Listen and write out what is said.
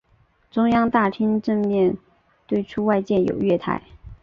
中央大厅正面对出处建有月台。